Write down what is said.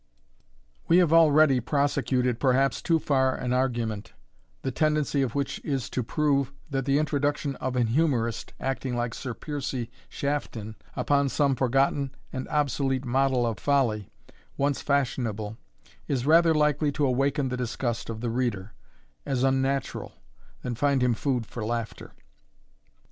We have already prosecuted perhaps too far an argument, the tendency of which is to prove, that the introduction of an humorist, acting like Sir Piercie Shafton, upon some forgotten and obsolete model of folly, once fashionable, is rather likely to awaken the disgust of the reader, as unnatural, than find him food for laughter.